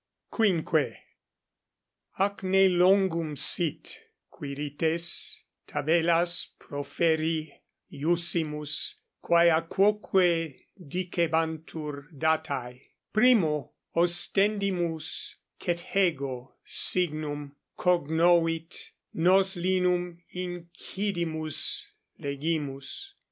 =5.= Ac ne longum sit, Quirites, tabellas proferri iussimus, quae a quoque dicebantur datae. Primo ostendimus Cethego signum: cognovit; nos linum incidimus, legimus.